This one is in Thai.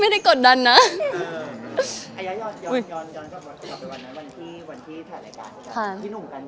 พี่หนุ่มกันใช้เองล่ะก็กรามแรง